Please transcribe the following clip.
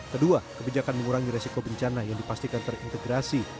kedua kebijakan mengurangi resiko bencana yang dipastikan terintegrasi